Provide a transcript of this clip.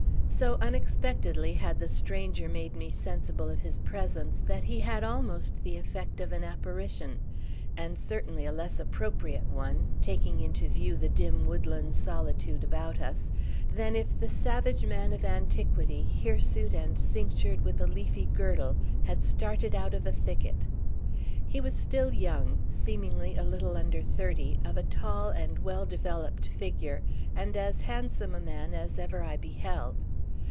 So unexpectedly had the stranger made me sensible of his presence, that he had almost the effect of an apparition; and certainly a less appropriate one (taking into view the dim woodland solitude about us) than if the salvage man of antiquity, hirsute and cinctured with a leafy girdle, had started out of a thicket. He was still young, seemingly a little under thirty, of a tall and well developed figure, and as handsome a man as ever I beheld.